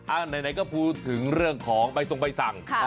ไหนก็พูดถึงเรื่องของใบทรงใบสั่ง